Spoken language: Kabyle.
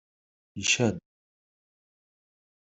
Icad!